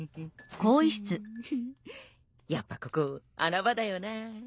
やっぱここ穴場だよな。